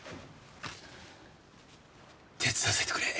手伝わせてくれ。